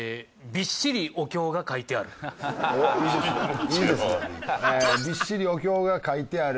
「びっしりお経がかいてある」